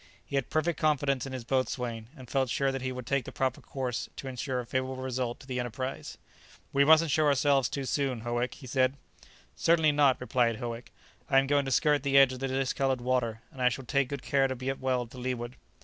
He had perfect confidence in his boatswain, and felt sure that he would take the proper course to insure a favourable result to the enterprise. "We mustn't show ourselves too soon, Howick," he said. "Certainly not," replied Howick, "I am going to skirt the edge of the discoloured water, and I shall take good care to get well to leeward."